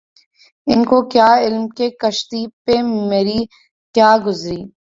ان کو کیا علم کہ کشتی پہ مری کیا گزری